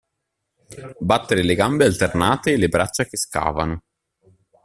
Battere le gambe alternate e le braccia che scavano.